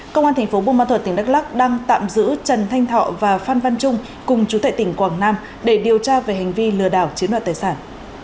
công an tp bpmt đắc lắc đang tạm giữ trần thanh thọ và phan văn trung cùng chủ tệ tỉnh quảng nam để điều tra về hành vi lừa đảo chiếm đoạt tài sản